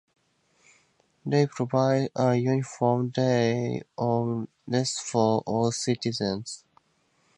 They provide a uniform day of rest for all citizens.